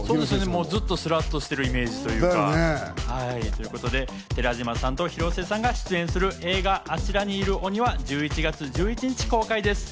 ずっとすらっとしてるイメージというか。ということで寺島さんと広末さんが出演する映画『あちらにいる鬼』は１１月１１日公開です。